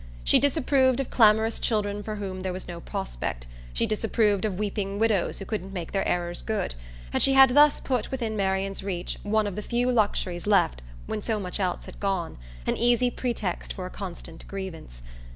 She disapproved of clamorous children for whom there was no prospect; she disapproved of weeping widows who couldn't make their errors good; and she had thus put within Marian's reach one of the few luxuries left when so much else had gone, an easy pretext for a constant grievance.